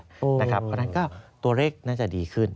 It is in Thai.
วันนั้นก็ตัวเลขน่าจะดีขึ้น